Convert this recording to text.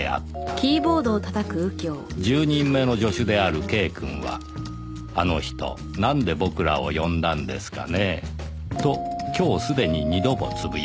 １０人目の助手である Ｋ くんは「あの人なんで僕らを呼んだんですかね？」と今日すでに２度もつぶやいた